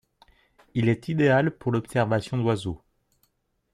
Il est idéal pour l'observation d'oiseaux.